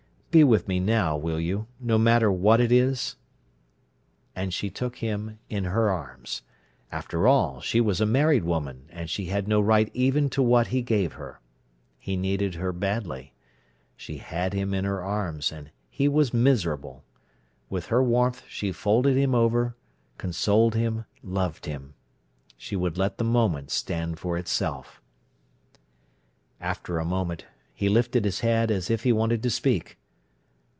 Be with me now, will you, no matter what it is?" And she took him in her arms. After all, she was a married woman, and she had no right even to what he gave her. He needed her badly. She had him in her arms, and he was miserable. With her warmth she folded him over, consoled him, loved him. She would let the moment stand for itself. After a moment he lifted his head as if he wanted to speak.